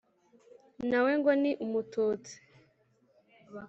Nawe ngo ni umututsi.